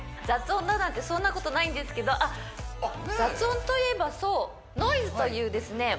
雑音だなんてそんなことないんですけどあっ雑音といえばそう「ノイズ」というですね